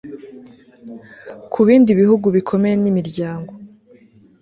kubindi bihugu bikomeye n'imiryango